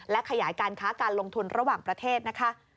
และขยายการค้าการลงทุนระหว่างประเทศนะคะ